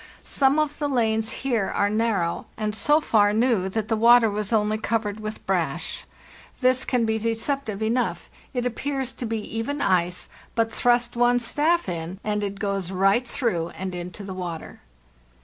Some of the lanes here are narrow, and so far new that the water was only covered with brash. This can be deceptive enough; it appears to be even ice, but thrust one's staff in, andit goes right through and into the water.